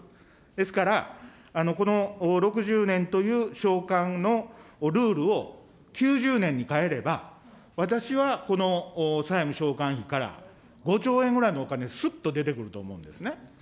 ですから、この６０年という償還のルールを、９０年に変えれば、私はこの債務償還費から、５兆円ぐらいのお金、すっと出てくると思うんですね。